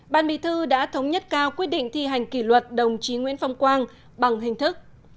ban bí thư đã thống nhất cao quyết định thi hành kỷ luật đồng chí nguyễn phong quang bằng hình thức